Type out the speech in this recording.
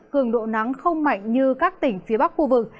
cường độ nắng không mạnh như các tỉnh phía bắc khu vực